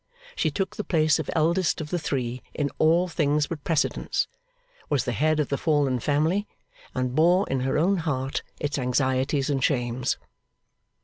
She took the place of eldest of the three, in all things but precedence; was the head of the fallen family; and bore, in her own heart, its anxieties and shames.